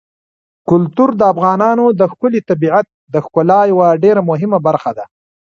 کلتور د افغانستان د ښکلي طبیعت د ښکلا یوه ډېره مهمه برخه ده.